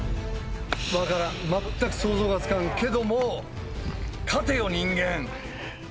分からん全く想像がつかんけども勝てよ人間！